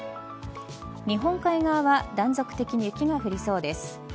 日本海側は断続的に雪が降りそうです。